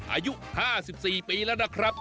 อายุ๕๔ปีแล้วนะครับ